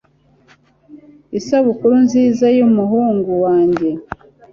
Isabukuru nziza yumuhungu wanjye